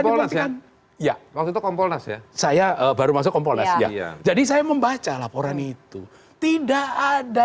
dibuktikan ya waktu komponas ya saya baru masuk komponas jadi saya membaca laporan itu tidak ada